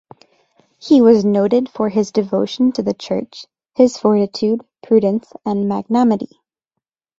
He was noted for his devotion to the Church, his fortitude, prudence, and magnanimity.